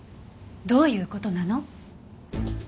どういう事なの？